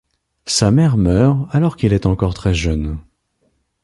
Sa mère meurt alors qu'il est encore très jeune.